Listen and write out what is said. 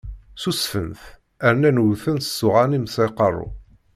Ssusfen-t, rnan wwten-t s uɣanim s aqerru.